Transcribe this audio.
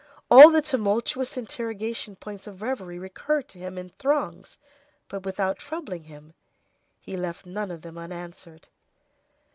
All the tumultuous interrogation points of reverie recurred to him in throngs, but without troubling him. He left none of them unanswered.